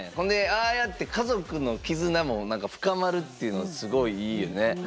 でああやって家族の絆も深まるっていうのすごいいいよね。